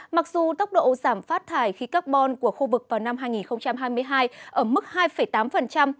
mặc dù tốc độ giảm phát thải khí carbon của khu vực vào năm hai nghìn hai mươi hai ở mức hai tám